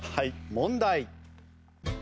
問題。